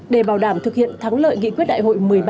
để bảo đảm thực hiện thắng lợi nghị quyết đại hội một mươi ba